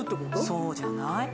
そうじゃない？